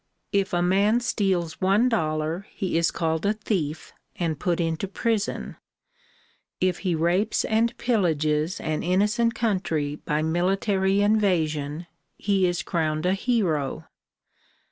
If a man steals one dollar he is called a thief and put into prison; if he rapes and pillages an innocent country by military invasion he is crowned a hero.